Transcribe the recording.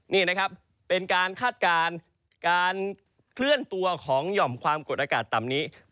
นี่นะครับเป็นการคาดการณ์การเคลื่อนตัวของหย่อมความกดอากาศต่ำนี้